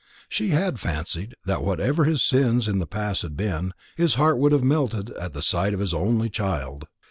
She had fancied that, what ever his sins in the past had been, his heart would have melted at the sight of his only child.